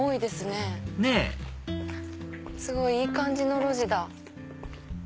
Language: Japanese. ねぇすごいいい感じの路地だ。